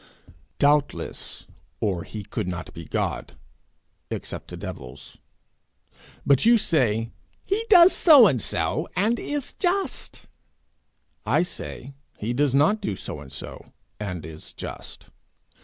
'Doubtless, or he could not be God except to devils. But you say he does so and so, and is just; I say, he does not do so and so, and is just.